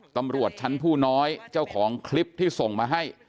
ตำรวจชั้นผู้น้อยเจ้าของคลิปที่ส่งมาให้